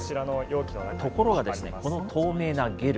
ところがこの透明なゲル。